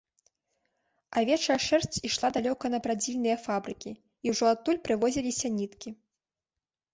Авечая шэрсць ішла далёка на прадзільныя фабрыкі, і ўжо адтуль прывозіліся ніткі.